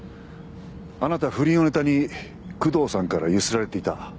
あなた不倫をネタに工藤さんから強請られていた。